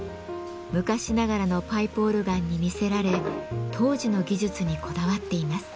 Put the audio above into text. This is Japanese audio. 昔ながらのパイプオルガンに魅せられ当時の技術にこだわっています。